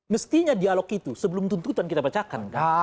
mestinya dialog itu sebelum tuntutan kita bacakan